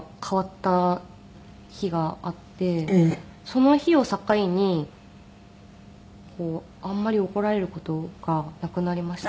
その日を境にあんまり怒られる事がなくなりましたね。